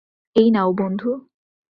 এই নাও বন্ধু।